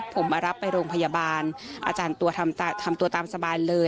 ผมมารับไปโรงพยาบาลอาจารย์ตัวทำตัวตามสบายเลย